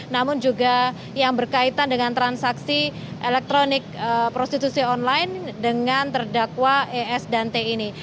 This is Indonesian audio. namun juga yang berkaitan dengan transaksi elektronik prostitusi online dengan terdakwa es dan t ini